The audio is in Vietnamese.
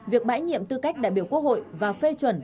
việc bãi nhiệm tư cách đại biểu quốc hội và phê chuẩn